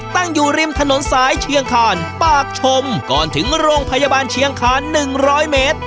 ตั้งอยู่ริมถนนสายเชียงคานปากชมก่อนถึงโรงพยาบาลเชียงคาน๑๐๐เมตร